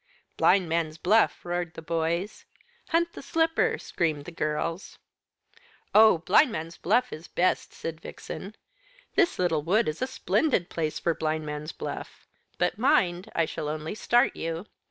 "Blindman's Buff," roared the boys. "Hunt the Slipper," screamed the girls. "Oh, Blindman's Buff is best," said Vixen. "This little wood is a splendid place for Blindman's Buff. But mind, I shall only start you.